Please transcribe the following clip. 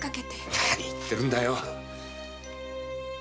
なに言ってるんだよ。